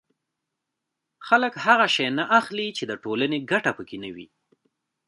خلک هغه شی نه اخلي چې د ټولنې ګټه پکې نه وي